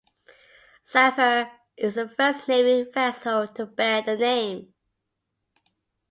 "Zephyr" is the first Navy vessel to bear the name.